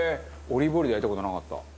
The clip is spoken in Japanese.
オリーブオイルで焼いた事なかった。